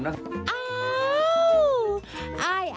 อ้าว